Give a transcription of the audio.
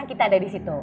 kita ada di situ